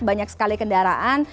banyak sekali kendaraan